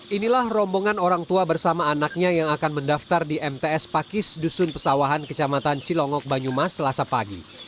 inilah rombongan orang tua bersama anaknya yang akan mendaftar di mts pakis dusun pesawahan kecamatan cilongok banyumas selasa pagi